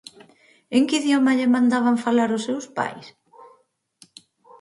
En que idioma lle mandaban falar os seus pais?